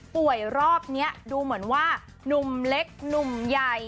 รอบนี้ดูเหมือนว่าหนุ่มเล็กหนุ่มใหญ่